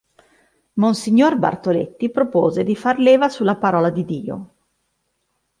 Mons. Bartoletti propose di far leva sulla Parola di Dio.